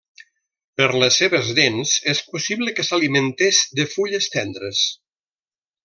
Per les seves dents, és possible que s'alimentés de fulles tendres.